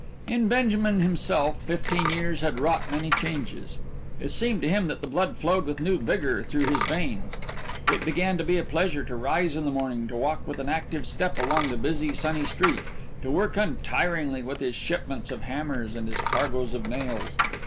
In Benjamin himself fifteen years had wrought many changes. It seemed to him that the blood flowed with new vigour through his veins. It began to be a pleasure to rise in the morning, to walk with an active step along the busy, sunny street, to work untiringly with his shipments of hammers and his cargoes of nails.